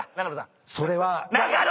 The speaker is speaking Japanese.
それは。